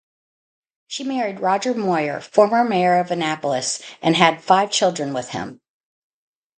She married Roger Moyer, former Mayor of Annapolis, and had five children with him.